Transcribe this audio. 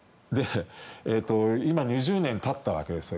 今、２０年たったわけです。